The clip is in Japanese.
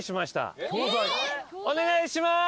お願いします！